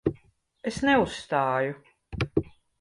Es neuzstāju.